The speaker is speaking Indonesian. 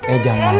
eh jangan ya